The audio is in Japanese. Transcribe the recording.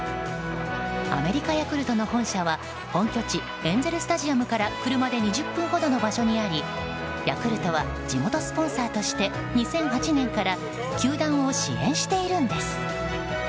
アメリカヤクルトの本社は本拠地エンゼル・スタジアムから車で２０分ほどの場所にありヤクルトは地元スポンサーとして２００８年から球団を支援しているんです。